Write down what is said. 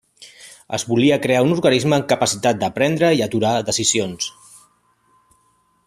Es volia crear un organisme amb capacitat per prendre i aturar decisions.